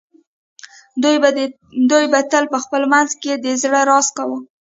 دوی به تل په خپل منځ کې د زړه راز کاوه